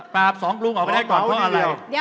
สองกรุงออกไปได้ก่อนเพราะอะไร